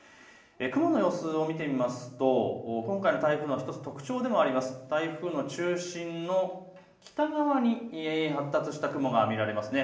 雲の様子を見てみると今回の台風の１つ特徴でもある台風の中心の北側に発達した雲が見られますね。